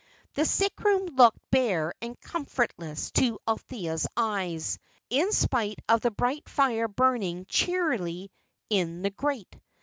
The sick room looked bare and comfortless to Althea's eyes, in spite of the bright fire burning cheerily in the grate.